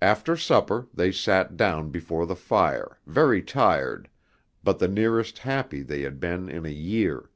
After supper they sat down before the fire, very tired, but the nearest happy they had been in a year.